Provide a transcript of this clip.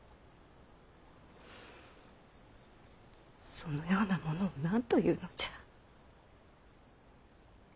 そのような者を何というのじゃ。